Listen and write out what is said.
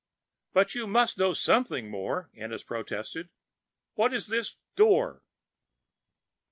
"But you must know something more!" Ennis protested. "What is this Door?"